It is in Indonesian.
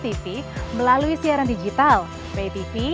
yang dikeluarkan dari pemerintah kita